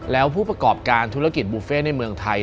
แล้วผู้ประกอบการธุรกิจบุฟเฟ่ในเมืองไทย